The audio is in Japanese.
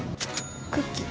クッキー。